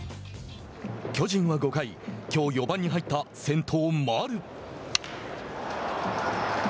巨人は５回きょう４番に入った先頭、丸。